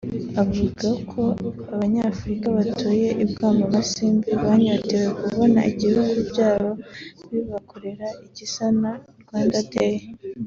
Avuga ko Abanyafurika batuye i Bwotamasimbi banyotewe kubona ibihugu byabo bibakorera igisa na Rwanda Day